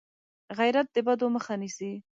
غیرت د بدو مخه نیسي